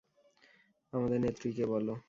আমাদের নেত্রী কে বলো?